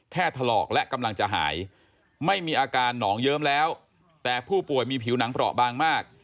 ถลอกและกำลังจะหายไม่มีอาการหนองเยิ้มแล้วแต่ผู้ป่วยมีผิวหนังเปราะบางมาก